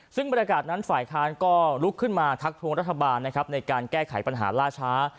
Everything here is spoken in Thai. ซึ่งบรรยากาศนั้นฝ่ายค้านก็ลุกขึ้นมาทักทวงรัฐบาลนะครับในการแก้ไขปัญหาล่าช้า